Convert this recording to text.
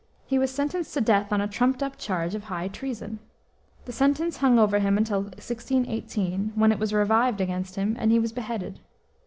He was sentenced to death on a trumped up charge of high treason. The sentence hung over him until 1618, when it was revived against him and he was beheaded.